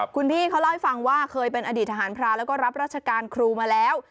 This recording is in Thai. คุณพี่เขาเล่าให้ฟังว่าเคยเป็นอดีตทหารพราแล้วก็รับราชการครูมาแล้ว